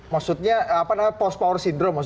maksudnya apa namanya post power syndrome